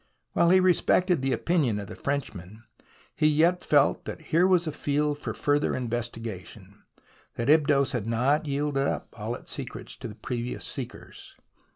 While he respected the opinion of the Frenchman, he yet felt that here was a field for further in vestigation, that Abydos had not yielded up all its secrets to the previous seekers.